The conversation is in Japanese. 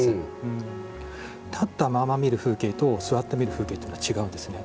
立ったまま見る風景と座って見る風景というのは違うんですね。